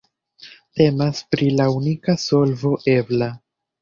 Temas pri la unika solvo ebla.